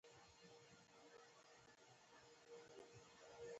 په همدې وخت کې وزیر فتح خان له خپل لښکر سره له بامیانو راورسېد.